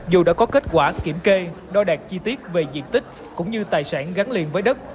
dù đã có kết quả kiểm kê đo đạt chi tiết về diện tích cũng như tài sản gắn liền với đất